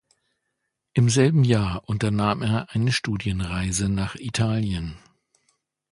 Im selben Jahr unternahm er eine Studienreise nach Italien.